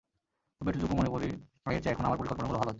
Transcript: তবে এতটুকু মনে করি, আগের চেয়ে এখন আমার পরিকল্পনাগুলো ভালো হচ্ছে।